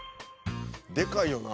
「でかいよな」